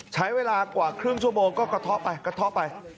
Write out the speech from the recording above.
ใช้เวลากว่าครึ่งชั่วโมงก็กระท๊อปไป